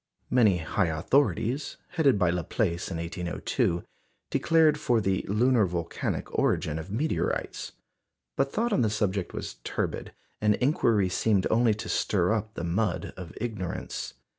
Many high authorities, headed by Laplace in 1802, declared for the lunar volcanic origin of meteorites; but thought on the subject was turbid, and inquiry seemed only to stir up the mud of ignorance.